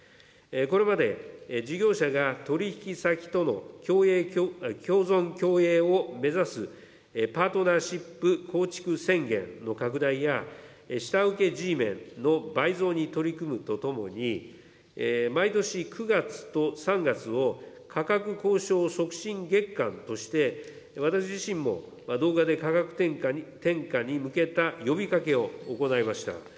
これまで事業者が取り引き先との共存共栄を目指すパートナーシップ構築宣言の拡大や、下請けＧメンの倍増に取り組むとともに、毎年９月と３月を価格交渉促進月間として、私自身も動画で価格転嫁に向けた呼びかけを行いました。